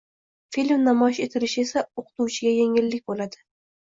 film namoyish etilishi esa o‘qituvchiga yengillik bo‘ladi